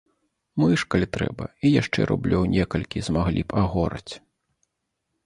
Мы ж, калі трэба, і яшчэ рублёў некалькі змаглі б агораць.